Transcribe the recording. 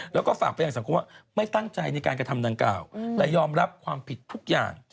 แล้วก็ฝากไปยังสังคมว่าไม่ตั้งใจในการกระทำดังกล่าวแต่ยอมรับความผิดทุกอย่าง